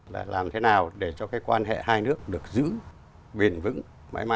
là làm thế nào để cho cái quan hệ hai nước được giữ biển vững mãi mãi như vậy